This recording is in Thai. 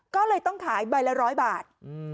ก็เลยต้องขายใบละ๑๐๐บาท